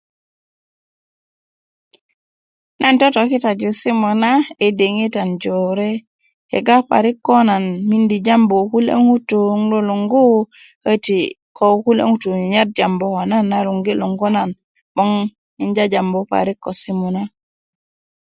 nan totokitaju simu na i diŋitan jore kega parik ko nan mindi jambu ko kulye ŋutu n lulung köti ko kulye ŋutu nyanyar jambu ko nan 'boŋ n jajambu parik ko simu na